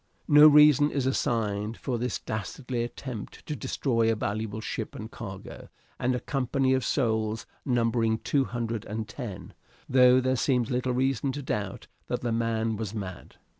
No reason is assigned for this dastardly attempt to destroy a valuable ship and cargo and a company of souls numbering two hundred and ten, though there seems little reason to doubt that the man was mad.